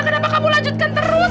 kenapa kamu lanjutkan terus